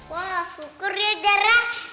wah syukur ya sarah